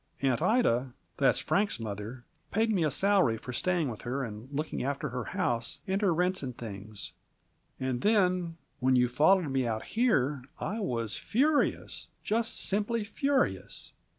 Aunt Ida that's Frank's mother paid me a salary for staying with her and looking after her house and her rents and things. And then, when you followed me out here, I was furious! Just simply furious!"